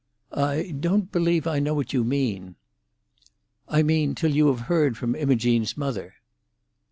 "I don't believe I know what you mean." "I mean, till you have heard from Imogene's mother."